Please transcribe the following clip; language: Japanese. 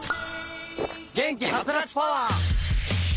元気ハツラツパワー！